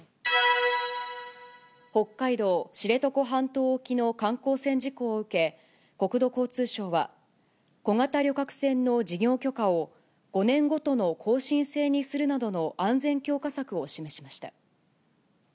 北海道知床半島沖の観光船事故を受け、国土交通省は、小型旅客船の事業許可を、５年ごとの更新制にするなどの安全強化策を示しました。